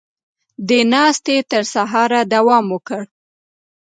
دې ناستې تر سهاره دوام وکړ.